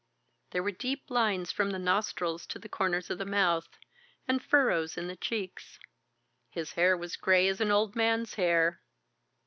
There were deep lines from the nostrils to the corners of the mouth, and furrows in the cheeks. His hair was grey as an old man's hair.